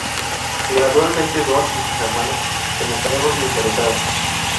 Gradualmente Don y sus hermanos se mostraron interesados.